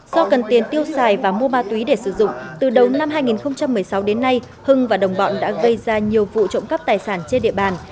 do cần tiền tiêu xài và mua ma túy để sử dụng từ đầu năm hai nghìn một mươi sáu đến nay hưng và đồng bọn đã gây ra nhiều vụ trộm cắp tài sản trên địa bàn